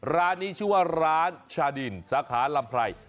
ร้านนี้ชื่อว่าร้านชาดินสาขาลำไพร